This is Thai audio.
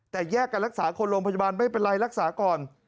แต่แยกกันรักษาคนโรงพยาบาลไม่เป็นไรรักษาก่อน